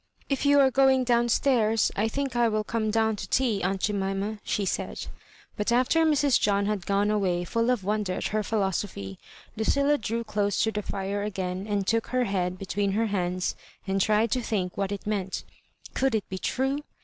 If you are going down stairs, I think I will come down to tea, aunt Jomuna^" she said. But after Mrs. John had gone away fiiU of wonder at her philosophy, Lucilla drew dose to the fire again and took her head between her hands and tried to think what it meant Could it be true